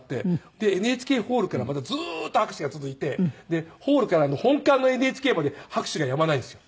でＮＨＫホールからまたずっと拍手が続いてホールからの本館のＮＨＫまで拍手がやまないんですよ。